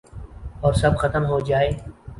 اور سب ختم ہوجائے